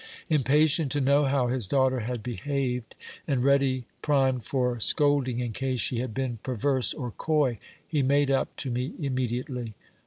Impatient to know how his daughter had behaved, and ready primed for scold ing in case she had been perverse or coy, he made up to me immediately.